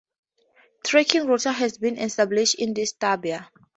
Trekking routes have been established in this "tabia".